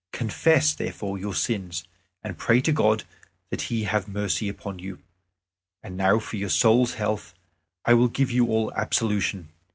Confess, therefore, your sins, and pray to God that He have mercy upon you. And now for your soul's health I will give you all absolution.